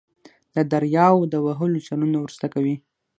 د دریاوو د وهلو چلونه ور زده کوي.